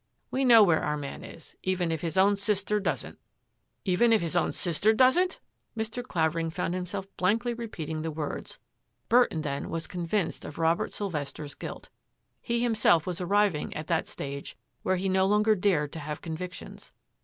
We know where our man is, even if his own sister doesn't.'' " Even if his own sister doesn't !" Mr. Clavering found himself blankly repeating the words. Burton then was convinced of Robert Sylvester's guilt. He himself was arriving at that stage where he no longer dared to have convictions.